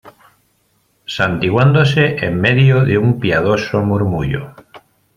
santiguándose en medio de un piadoso murmullo.